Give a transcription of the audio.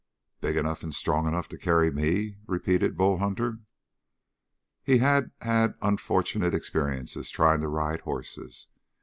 "Big enough and strong enough to carry me?" repeated Bull Hunter. He had had unfortunate experiences trying to ride horses.